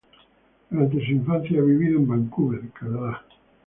Durante su infancia ha vivido en Vancouver, Canadá.